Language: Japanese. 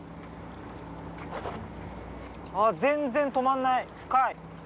全然止まんない深い。